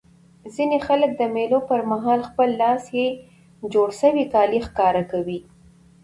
ځيني خلک د مېلو پر مهال خپلي لاسي جوړ سوي کالي ښکاره کوي.